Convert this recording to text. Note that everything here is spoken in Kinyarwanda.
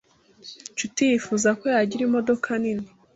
Nshuti yifuza ko yagira imodoka nini.